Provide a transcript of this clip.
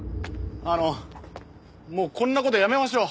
あのもうこんな事やめましょう！